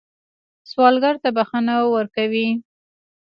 سوالګر ته بښنه ورکوئ